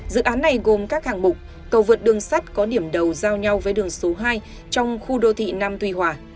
dự án này gồm các hạng mục cầu vượt đường sắt có điểm đầu giao nhau với đường số hai trong khu đô thị nam tuy hòa